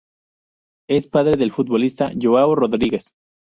Es padre del futbolista Joao Rodríguez.